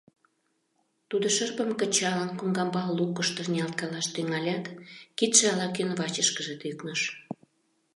Тудо, шырпым кычалын, коҥгамбал лукышто ниялткалаш тӱҥалят, кидше ала-кӧн вачышке тӱкныш.